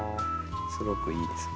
すごくいいです。